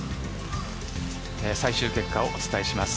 最終結果をお伝えします。